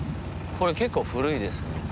これ結構古いですね。